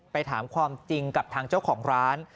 ถามความจริงกับทางเจ้าของร้าน